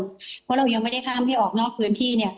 เพราะเรายังไม่ได้ข้ามให้ออกนอกพื้นที่เนี่ย